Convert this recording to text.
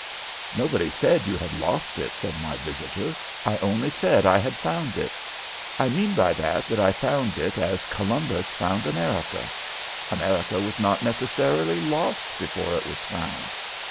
"'Nobody said you had lost it,' said my visitor. 'I only said I had found it. I mean by that that I found it as Columbus found America. America was not necessarily lost before it was found.